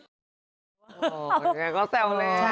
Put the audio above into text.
อย่างนี้ก็แซวแรง